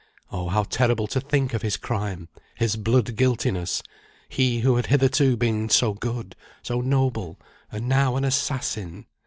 Oh, how terrible to think of his crime, his blood guiltiness; he who had hitherto been so good, so noble, and now an assassin!